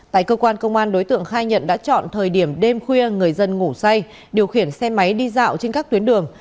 tại cơ quan công an đối tượng khai nhận đã chọn thời điểm đêm khuya người dân ngủ say điều khiển xe máy đi dạo trên các tuyến đường